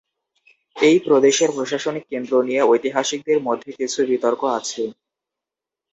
এই প্রদেশের প্রশাসনিক কেন্দ্র নিয়ে ঐতিহাসিকদের মধ্যে কিছু বিতর্ক আছে।